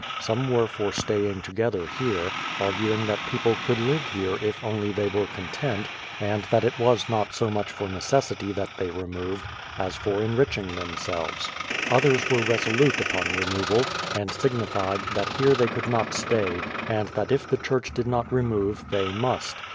Some were for staying together here, arguing that people could live here if only they were content, and that it was not so much for necessity that they removed, as for enriching themselves. Others were resolute upon removal, and signified that here they could not stay, and that if the church did not remove they must.